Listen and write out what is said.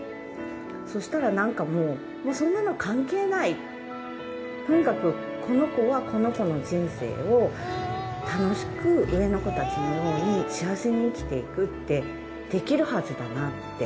そうしたらなんかもう、そんなの関係ない、とにかくこの子はこの子の人生を楽しく、上の子たちのように幸せに生きていくって、できるはずだなって。